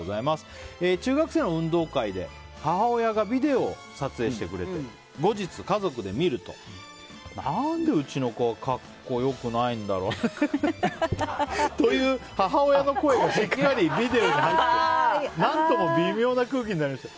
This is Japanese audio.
中学生の運動会で母親がビデオを撮影してくれて後日、家族で見ると何でうちの子は格好良くないんだろうという母親の声がしっかりビデオに入っていて何とも微妙な空気になりました。